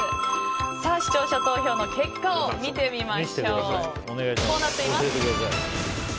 視聴者投票の結果を見てみましょう。